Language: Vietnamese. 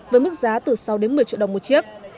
với mức giá từ sáu đến một mươi triệu đồng một chiếc